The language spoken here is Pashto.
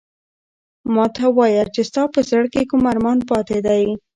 ما ته وایه چې ستا په زړه کې کوم ارمان پاتې دی؟